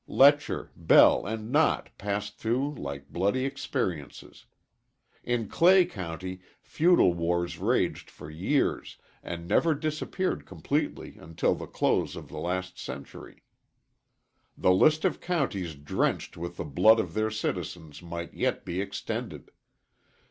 Letcher, Bell and Knott passed through like bloody experiences. In Clay County feudal wars raged for years and never disappeared completely until the close of the last century. The list of counties drenched with the blood of their citizens might yet be extended.